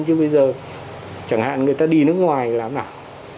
chứ bây giờ chẳng hạn người ta đi nước ngoài làm nào